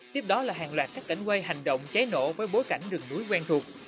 tiếp đó là hàng loạt các cảnh quay hành động cháy nổ với bối cảnh rừng núi quen thuộc